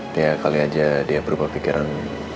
tiap kali aja dia berubah pikiran